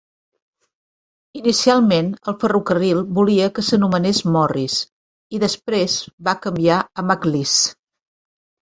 Inicialment, el ferrocarril volia que s'anomenés Morris, i després va canviar a McLis.